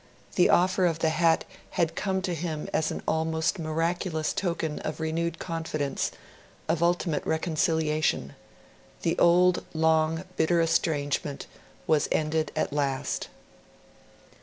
The offer of the Hat had come to him as an almost miraculous token of renewed confidence, of ultimate reconciliation. The old, long, bitter estrangement was ended at last.